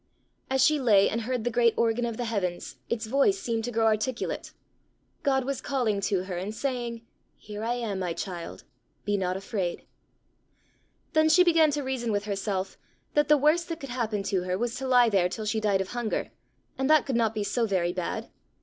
As she lay and heard the great organ of the heavens, its voice seemed to grow articulate; God was calling to her, and saying, "Here I am, my child! be not afraid!" Then she began to reason with herself that the worst that could happen to her was to lie there till she died of hunger, and that could not be so very bad!